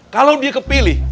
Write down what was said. kalau dia kepilih